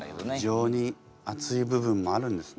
情にあつい部分もあるんですね。